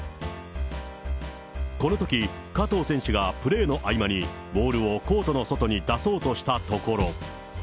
このとき、加藤選手がプレーの合間にボールをコートの外に出そうとしたところ。